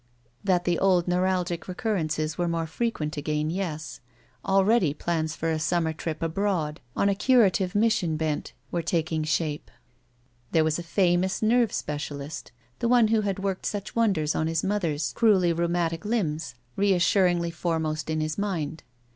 That the old neuralgic recurrences were more frequent again, yes. Already plans for a summer trip abroad, on a curative mission bent, were taking shape. There was a famous nerve specialist, the one who had worked such wonders on his mother's 45 SHE WALKS IN BEAUTY cruelly rheumatic limbs, reassuringly foremost in his mind.